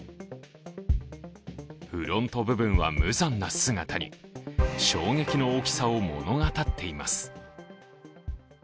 フロント部分は無残な姿に衝撃の大きさを物語っています。